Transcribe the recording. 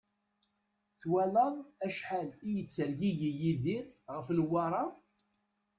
Twalaḍ acḥal i yettergigi Yidir ɣef Newwara?